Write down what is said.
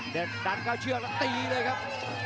เด็ดดันก้าวเชือกแล้วตีเลยครับ